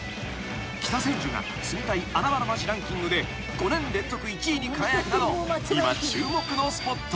［北千住が住みたい穴場の街ランキングで５年連続１位に輝くなど］